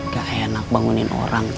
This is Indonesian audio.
gak enak bangunin orang